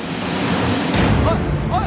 おっおい！